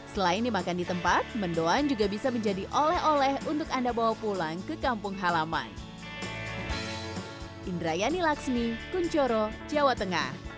selain dimakan di tempat mendoan juga bisa menjadi oleh oleh untuk anda bawa pulang ke kampung halaman